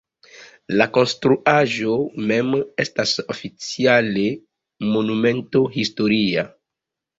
La konstruaĵo mem estas oficiale Monumento historia.